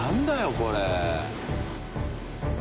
これ。